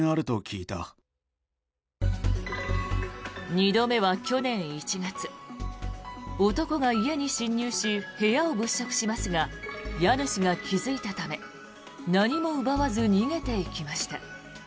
２度目は去年１月男が家に侵入し部屋を物色しますが家主が気付いたため何も奪わず逃げていきました。